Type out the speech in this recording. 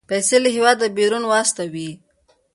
پيسې له هېواده بيرون واستوي.